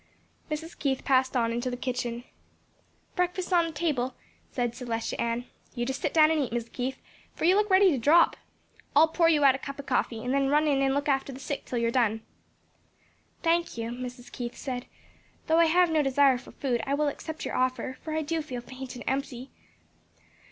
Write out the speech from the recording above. Mrs. Keith passed on into the kitchen. "Breakfast's on table," said Celestia Ann. "You just sit down and eat, Mis' Keith; fur you look ready to drop. I'll pour you out a cup o' coffee, and then run in and look after the sick till you're done." "Thank you," Mrs. Keith said, "though I have no desire for food, I will accept your offer, for I do feel faint and empty.